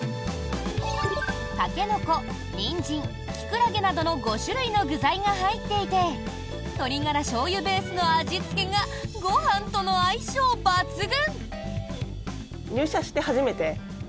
タケノコ、ニンジンキクラゲなどの５種類の具材が入っていて鶏ガラしょうゆベースの味付けがご飯との相性抜群！